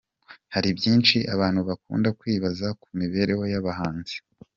Hari byinshi abantu bakunda kwibaza ku mibereho y’abahanzi.